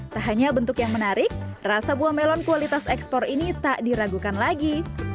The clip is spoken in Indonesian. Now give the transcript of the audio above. tak hanya bentuk yang menarik rasa buah melon kualitas ekspor ini tak diragukan lagi